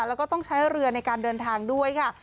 แล้วก็ต้องใช้เรือในการเดินทางด้วยค่ะ